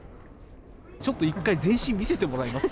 ちょっと一回、全身見せてもらえますか？